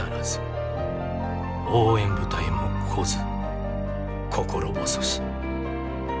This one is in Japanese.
応援部隊も来ず心細し」。